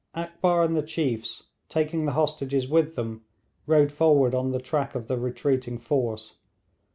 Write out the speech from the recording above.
Akbar and the chiefs, taking the hostages with them, rode forward on the track of the retreating force.